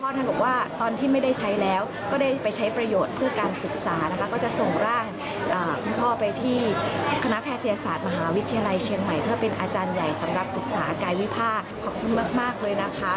เดี๋ยวที่ไม่ได้มานะคะก็ฝากดอกไม้มาให้อ้าได้รับหมดแล้วนะคะ